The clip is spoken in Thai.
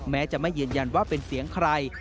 แม้จะไม่ยืนยันว่าเป็นเสียงใคร